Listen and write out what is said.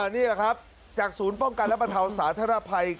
นี่แหละครับจากศูนย์ป้องกันและบรรเทาสาธารณภัย